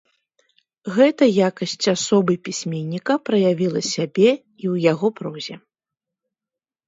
Гэта якасць асобы пісьменніка праявіла сябе і ў яго прозе.